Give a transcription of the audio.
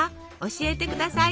教えてください。